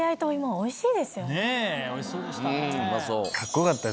おいしそうでしたね。